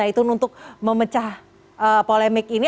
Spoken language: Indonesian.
al zaitun untuk memecah polemik ini